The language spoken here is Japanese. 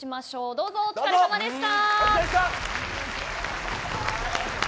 どうぞ、お疲れさまでした。